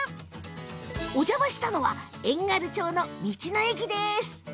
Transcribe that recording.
お邪魔したのは遠軽町の道の駅です。